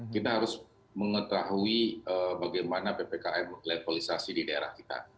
kita harus mengetahui bagaimana ppkm levelisasi di daerah kita